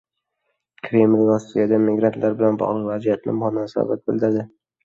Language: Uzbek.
Kreml Rossiyadagi migrantlar bilan bog‘liq vaziyatga munosabat bildirdi